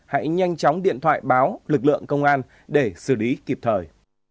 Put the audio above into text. hãy nhanh chóng điện thoại báo lực lượng công an để xử lý kịp thời